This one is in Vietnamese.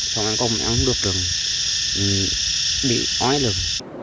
xong ăn côn em không được được bị ói được